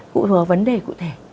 phụ thuộc vào vấn đề cụ thể